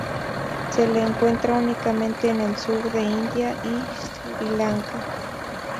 Se le encuentra únicamente en el sur de India y Sri Lanka.